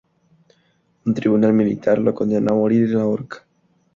Un tribunal militar lo condenó a morir en la horca.